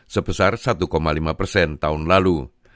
sebesar satu lima persen tahun lalu